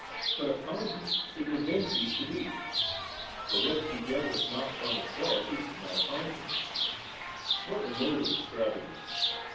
But a fountain it would then cease to be; for what begetteth not from itself, is not a fountain ^ What a load of extravagance